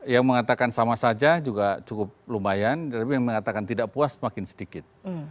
yang mengatakan sama saja juga cukup lumayan tapi yang mengatakan tidak puas makin sedikit